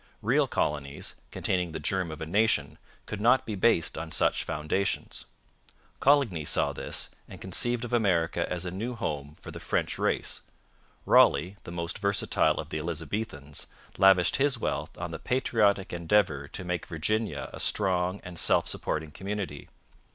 Real colonies, containing the germ of a nation, could not be based on such foundations. Coligny saw this, and conceived of America as a new home for the French race. Raleigh, the most versatile of the Elizabethans, lavished his wealth on the patriotic endeavour to make Virginia a strong and self supporting community.